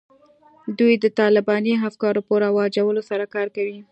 دوی د طالباني افکارو په رواجولو سره کار کوي